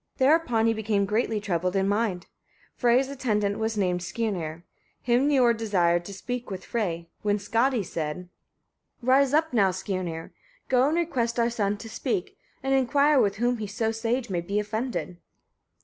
Thereupon he became greatly troubled in mind. Frey's attendant was named Skirnir; him Niord desired to speak with Frey; when Skadi said: 1. Rise up now, Skirnir! go and request our son to speak; and inquire with whom he so sage may be offended.